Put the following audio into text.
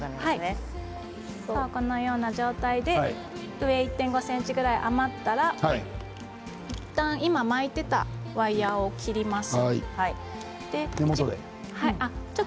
このような状態で上１．５ｃｍくらい余ったらいったん今巻いていたワイヤーを切ります。